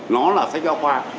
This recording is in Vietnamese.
nó là sách giao khoa